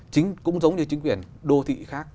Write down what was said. chính cũng giống như chính quyền đô thị khác